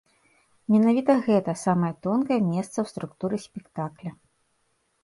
Менавіта гэта самае тонкае месца ў структуры спектакля.